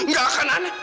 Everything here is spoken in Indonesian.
tidak akan aneh